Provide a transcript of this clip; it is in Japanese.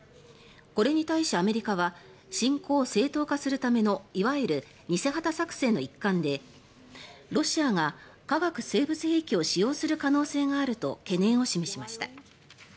これに対し、アメリカは侵攻を正当化するためのいわゆる偽旗作戦の一環でロシアが化学・生物兵器を使用する可能性があると懸念を示しました。